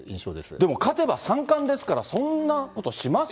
でも、勝てば三冠ですから、そんなことします？